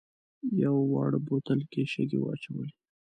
یوه واړه بوتل کې یې شګې واچولې.